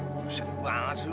buset banget sih